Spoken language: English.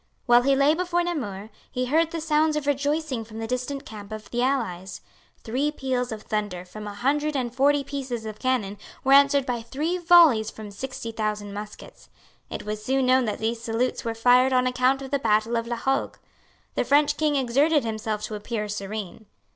While he lay before Namur, he heard the sounds of rejoicing from the distant camp of the allies. Three peals of thunder from a hundred and forty pieces of cannon were answered by three volleys from sixty thousand muskets. It was soon known that these salutes were fired on account of the battle of La Hogue. The French King exerted himself to appear serene.